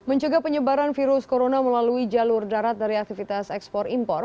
mencegah penyebaran virus corona melalui jalur darat dari aktivitas ekspor impor